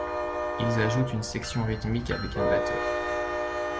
Ils ajoutent une section rythmique avec un batteur.